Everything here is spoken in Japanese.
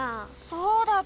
そうだっけ？